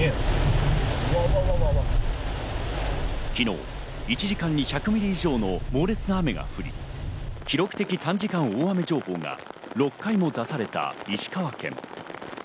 昨日１時間に１００ミリ以上の猛烈な雨が降り、記録的短時間大雨情報が６回も出された石川県。